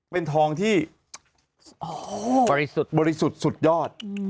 เป็นทองที่บริสุทธิ์สุดยอด